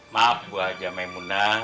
maaf gue aja memunah